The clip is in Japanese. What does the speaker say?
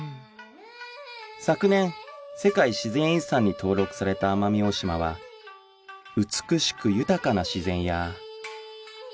昨年世界自然遺産に登録された奄美大島は美しく豊かな自然や